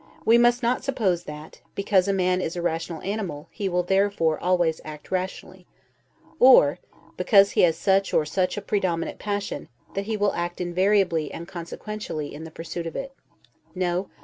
We must not suppose that, because a man is a rational animal, he will therefore always act rationally; or, because he has such or such a predominant passion, that he will act invariably and consequentially in the pursuit of it. No.